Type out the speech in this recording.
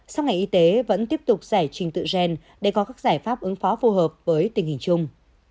sau ngày y tế vẫn tiếp tục giải trình tự gen để có các giải pháp ứng phó phù hợp với tình hình chung